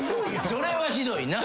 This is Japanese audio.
それはひどいな。